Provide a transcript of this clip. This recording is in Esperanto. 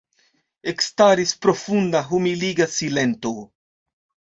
Ekstaris profunda, humiliga silento.